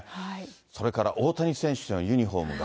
それから大谷選手のユニホームが。